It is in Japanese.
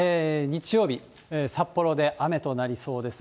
日曜日、札幌で雨となりそうです。